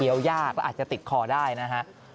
เวียวยากอาจจะติดคอได้นะครับ